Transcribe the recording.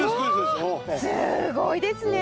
すごいですね。